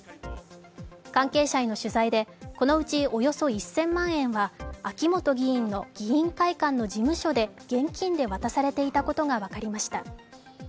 関係者への取材でこのうちおよそ１０００万円は秋本議員の議員会館の事務所で現金で渡されていたことが分かりました。